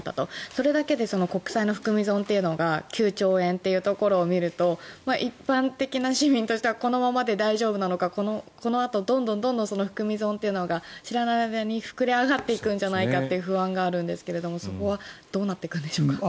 それだけで国債の含み損が９兆円というところを見ると一般的な市民としてはこのままで大丈夫なのかこのあと、どんどん含み損というのが知らない間に膨れ上がっていくんじゃないかという不安がありますがそこはどうなっていくんでしょうか。